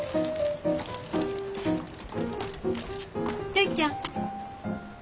るいちゃん。